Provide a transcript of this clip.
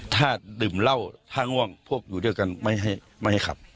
ถ้าดื่มเหล้าถ้าง่วงพวกอยู่ด้วยกันไม่ให้ขับ